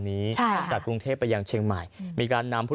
นอกจากนั้นคุณผู้ชมเรื่องของสิ่งอำนวยความสะดวก